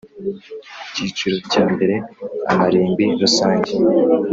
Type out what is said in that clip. Icyiciro cya mbere Amarimbi rusange